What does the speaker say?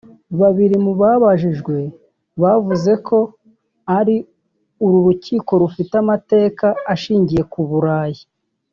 Babiri mu babajijwe bavuze ko ari uru rukiko rufite amateka ashingiye ku Burayi